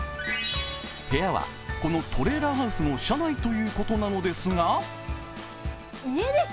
部屋はこのトレーラーハウスの車内ということなのですが。